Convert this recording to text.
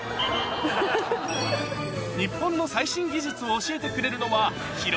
日本の最新技術を教えてくれるのは